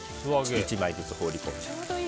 １枚ずつ放り込む。